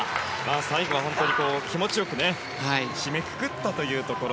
最後は本当に気持ち良く締めくくったというところ。